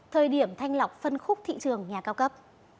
thời điểm thanh lọc phân khúc thị trường nhà cao cấp